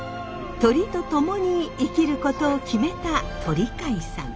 鳥と共に生きることを決めた鳥飼さん。